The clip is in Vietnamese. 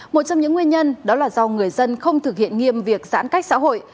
một trong những nguyên nhân đó là do người dân không thực hiện nghiêm việc giãn cách xã hội